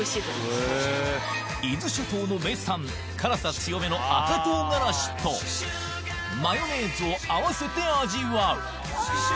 伊豆諸島の名産辛さ強めの赤とうがらしとを合わせて味わう